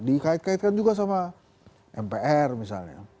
dikait kaitkan juga sama mpr misalnya